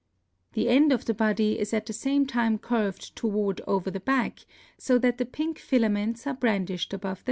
. The end of the body is at the same time curved forward over the back, so that the pink filaments are brandished above the head."